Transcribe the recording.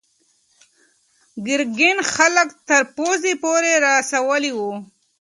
ګرګین خلک تر پوزې پورې رسولي وو.